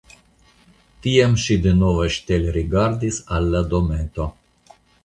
Tiam ŝi denove ŝtelrigardis al la dometo.